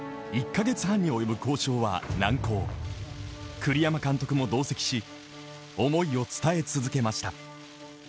栗山監督も同席し、思いを伝え続けました。